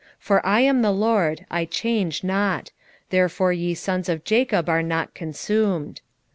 3:6 For I am the LORD, I change not; therefore ye sons of Jacob are not consumed.